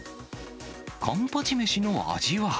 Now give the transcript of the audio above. カンパチ飯の味は。